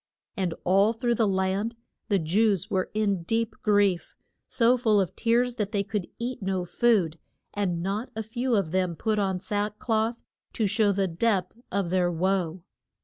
And all through the land the Jews were in deep grief, so full of tears that they could eat no food; and not a few of them put on sack cloth to show the depth of their woe.